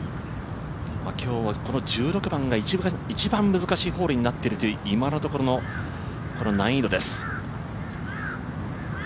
今日はこの１６番が一番難しいホールになっているという、今のところの難易度です。